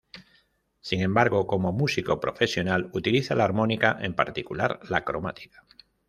Sin embargo, como músico profesional utiliza la armónica, en particular la cromática.